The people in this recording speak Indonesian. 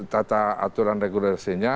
tata aturan regulasinya